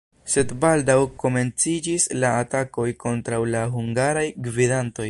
Sed baldaŭ komenciĝis la atakoj kontraŭ la hungaraj gvidantoj.